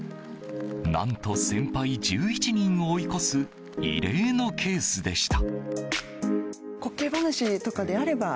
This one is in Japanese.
何と先輩１１人を追い越す異例のケースでした。